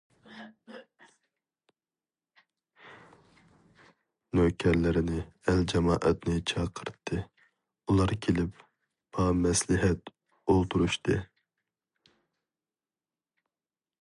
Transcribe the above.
نۆكەرلىرىنى، ئەل-جامائەتنى چاقىرتتى، ئۇلار كېلىپ بامەسلىھەت ئولتۇرۇشتى.